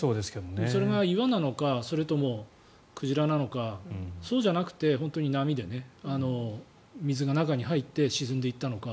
それが岩なのかそれとも鯨なのかそうじゃなくて本当に波で、水が中に入って沈んでいったのか。